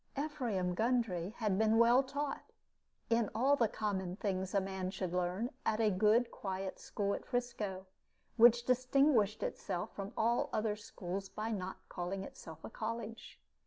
Ephraim Gundry had been well taught, in all the common things a man should learn, at a good quiet school at Frisco, which distinguished itself from all other schools by not calling itself a college.